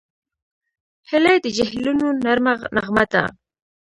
هیلۍ د جهیلونو نرمه نغمه ده